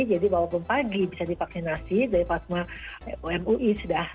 jadi walaupun pagi bisa divaksinasi dari padma umui sudah